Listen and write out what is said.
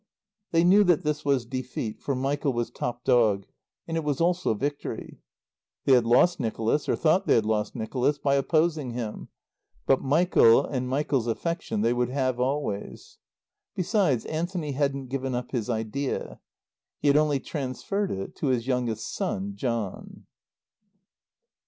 They knew that this was defeat, for Michael was top dog. And it was also victory. They had lost Nicholas, or thought they had lost Nicholas, by opposing him. But Michael and Michael's affection they would have always. Besides, Anthony hadn't given up his idea. He had only transferred it to his youngest son, John.